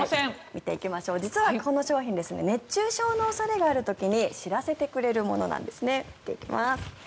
見ていきましょう実はこの商品熱中症の恐れがある時に知らせてくれるものなんですね。